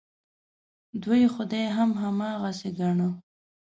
دوی خدای هم هماغسې ګاڼه.